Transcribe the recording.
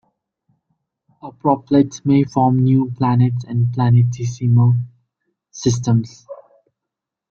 A proplyd may form new planets and planetesimal systems.